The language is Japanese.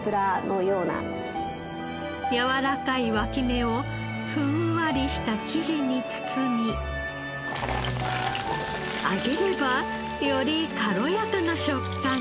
やわらかい脇芽をふんわりした生地に包み揚げればより軽やかな食感に。